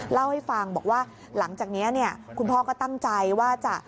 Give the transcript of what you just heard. เล่าให้ฟังบอกว่าหลังจากนี้เนี่ยคุณพ่อก็ตั้งใจว่าจะ